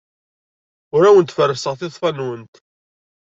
Ur awent-ferrseɣ tiḍeffa-nwent.